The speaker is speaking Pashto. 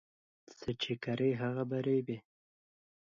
څه چې کرې، هغه به ريبې